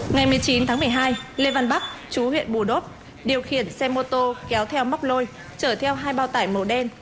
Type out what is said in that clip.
ngày một mươi chín tháng một mươi hai lê văn bắc chú huyện bù đốp điều khiển xe mô tô kéo theo móc lôi chở theo hai bao tải màu đen